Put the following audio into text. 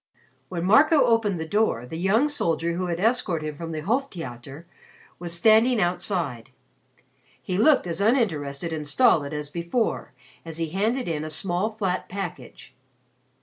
When Marco opened the door, the young soldier who had escorted him from the Hof Theater was standing outside. He looked as uninterested and stolid as before, as he handed in a small flat package.